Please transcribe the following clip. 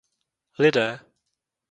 Lidé.